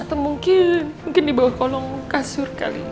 atau mungkin di bawah kolong kasur kali